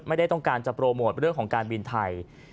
ไม่ได้ต้องการจะโปรโมทเรื่องของการบินไทย